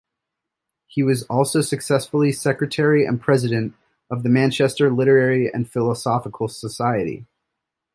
He was also successively secretary and president of the Manchester Literary and Philosophical Society.